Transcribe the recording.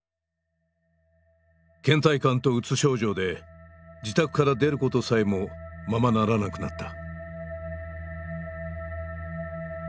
けん怠感とうつ症状で自宅から出ることさえもままならなくなった。